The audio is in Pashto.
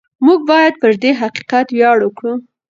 موږ باید پر دې حقیقت ویاړ وکړو.